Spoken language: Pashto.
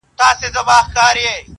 اوس یې خلګ پر دې نه دي چي حرام دي,